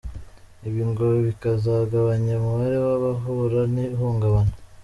Ibi ngo bikazagabanya umubare w’abahura n’ihungabana.